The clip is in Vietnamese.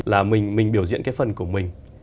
là mình biểu diễn cái phần của mình